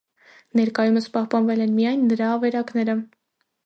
Ներկայումս պահպանվել են միայն նրա ավերակները։